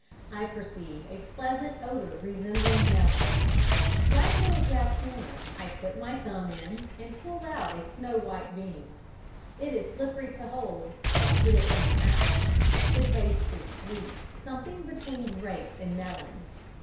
I perceive a pleasant odour resembling melon. Like little Jack Horner, I put in my thumb and pull out a snow white bean. It is slippery to hold, so I put it in my mouth. The taste is sweet, something between grape and melon.